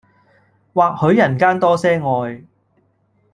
或許人間多些愛